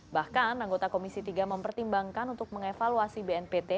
bahkan anggota komisi tiga mempertimbangkan untuk mengevaluasi bnpt